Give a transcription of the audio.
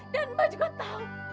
dan mbak juga tahu